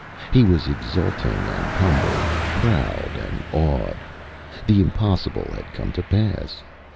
He was exulting and humble, proud and awed. The impossible had come to pass.